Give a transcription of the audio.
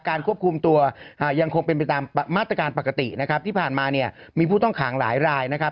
ควบคุมตัวยังคงเป็นไปตามมาตรการปกตินะครับที่ผ่านมาเนี่ยมีผู้ต้องขังหลายรายนะครับ